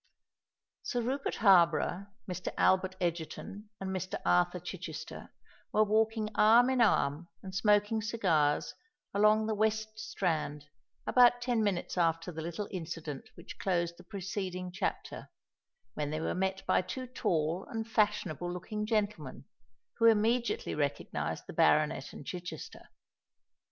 Sir Rupert Harborough, Mr. Albert Egerton, and Mr. Arthur Chichester were walking arm in arm, and smoking cigars, along the West Strand, about ten minutes after the little incident which closed the preceding chapter, when they were met by two tall and fashionable looking gentlemen, who immediately recognised the baronet and Chichester.